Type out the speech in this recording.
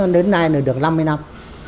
đến nay được năm mươi năm